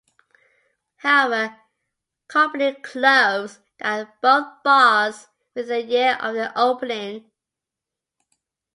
However, Kompany closed down both bars within a year of their opening.